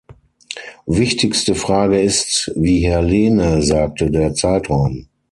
Wichtigste Frage ist, wie Herr Lehne sagte, der Zeitraum.